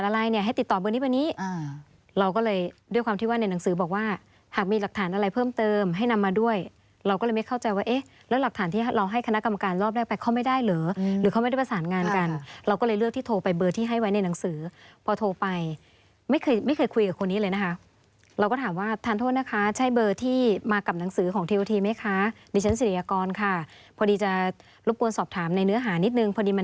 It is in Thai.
เราก็เลยไม่เข้าใจว่าเอ๊ะแล้วหลักฐานที่เราให้คณะกรรมการรอบแรกไปเข้าไม่ได้เหรอหรือเขาไม่ได้ประสานงานกันเราก็เลยเลือกที่โทรไปเบอร์ที่ให้ไว้ในหนังสือพอโทรไปไม่เคยไม่เคยคุยกับคนนี้เลยนะคะเราก็ถามว่าทานโทษนะคะใช่เบอร์ที่มากับหนังสือของทีโอทีไหมคะดิฉันศิริยากรค่ะพอดีจะรบกวนสอบถามในเนื้อหานิ